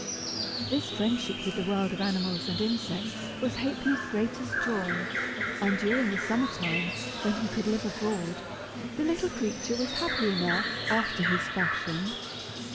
This friendship with the world of animals and insects was Ha'penny's greatest joy, and during the summer time, when he could live abroad, the little creature was happy enough, after his fashion.